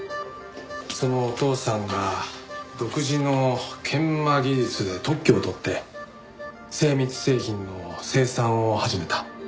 そのお父さんが独自の研磨技術で特許を取って精密製品の生産を始めた。